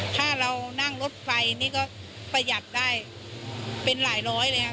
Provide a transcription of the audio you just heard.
ถ้าเรานั่งรถไฟนี่ก็ประหยัดได้เป็นหลายร้อยเลยครับ